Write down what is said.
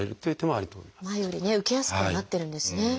前よりね受けやすくはなってるんですね。